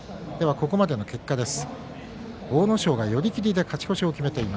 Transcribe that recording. ここまでの結果です。